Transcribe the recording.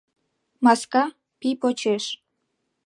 Маска — пий почеш.